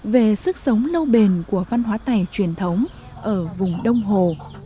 về sức sống lâu bền của văn hóa tày truyền thống ở vùng đông hồ